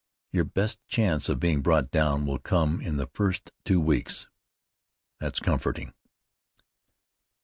"Your best chance of being brought down will come in the first two weeks." "That's comforting."